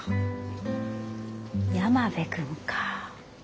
山辺君か。